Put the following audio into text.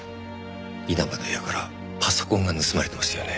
稲葉の部屋からパソコンが盗まれてますよね。